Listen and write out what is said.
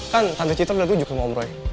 kan tante citra udah tunjuk sama om roy